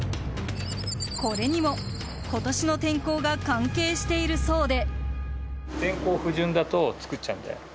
これにも今年の天候が関係しているそうで。